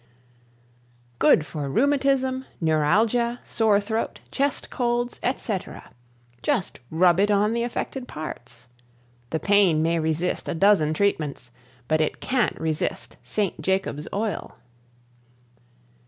Good for Rheumatism, Neuralgia, Sore Throat, Chest Colds, etc. Just rub it on the affected parts. The pain may resist a dozen treatments but it can't resist St. Jacobs Oil.